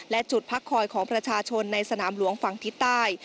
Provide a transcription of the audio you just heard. และจุดพักคอยของประชาชนในสนามหลวงฝั่งทิศใต้